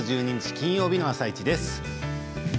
金曜日の「あさイチ」です。